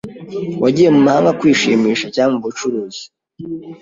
Wagiye mu mahanga kwishimisha cyangwa mu bucuruzi?